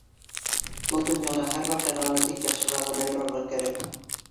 Был донъяла һәр ваҡиғаны тик яҡшыға ғына юрарға кәрәк.